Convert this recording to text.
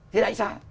thế là anh sai